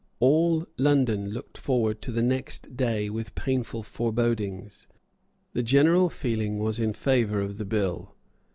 All London looked forward to the next day with painful forebodings. The general feeling was in favour of the bill.